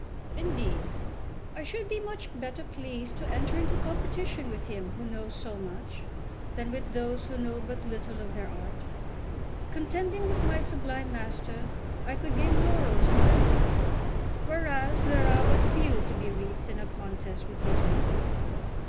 Indeed, I should be much better pleased to enter into competition with him who knows so much than with those others who know but little of their art. Contending with my sublime master, I could gain laurels in plenty, whereas there are but few to be reaped in a contest with these men."